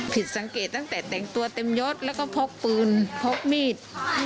ผิดสังเกตตั้งแต่แต่งตัวเต็มยศแล้วก็พกปืนพกมีด